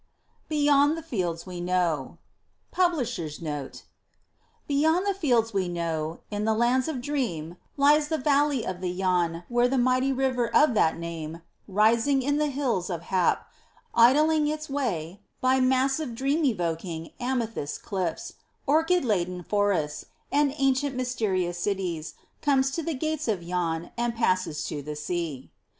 BEYOND THE FIELDS WE KNOW PUBLISHER'S NOTE Beyond the fields we know, in the Lands of Dream, lies the Valley of the Yann where the mighty river of that name, rising in the Hills of Hap, idleing its way by massive dream evoking amethyst cliffs, orchid laden forests, and ancient mysterious cities, comes to the Gates of Yann and passes to the sea.